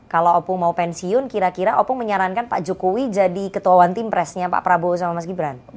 kalau opung mau pensiun kira kira opung menyarankan pak jokowi jadi ketua tim presnya pak prabowo sama mas gibran